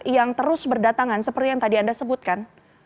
yang terus berdatangan seperti yang tadi anda sebutkan